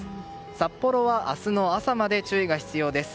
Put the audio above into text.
札幌は明日の朝まで注意が必要です。